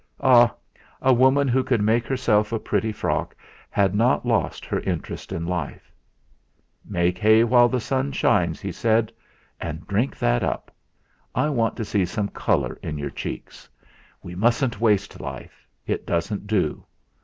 Ah! A woman who could make herself a pretty frock had not lost her interest in life. "Make hay while the sun shines," he said; "and drink that up. I want to see some colour in your cheeks. We mustn't waste life; it doesn't do.